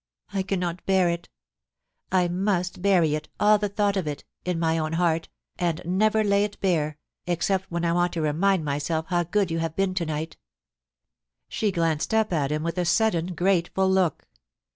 I cannot bear it I must bury it, all the thought of it, in my own heart, and never lay it bare, except when I want to remind myself how good you have been to night' She glanced up at him with a sudden grateful look.